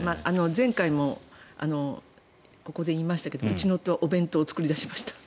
前回もここで言いましたがうちの夫お弁当を作り出しました。